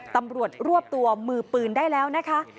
ตำรวจรวบตัวมือปืนได้แล้วนะคะ